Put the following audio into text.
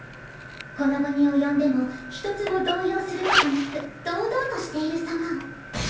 この期に及んでも１つも動揺することなく堂々としている様を。